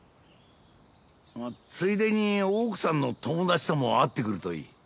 ついでに大奥さんの友達とも会ってくるといい。